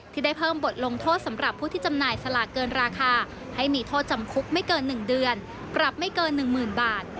ที่ได้เพิ่มบทลงโทษสำหรับผู้ที่จำหน่ายสลากเกินราคาให้มีโทษจำคุกไม่เกิน๑เดือนปรับไม่เกิน๑๐๐๐บาท